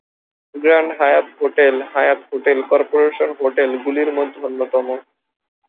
Grand Hyatt hotel Hyatt hotel corporation hotel গুলির মধ্যে অন্যতম।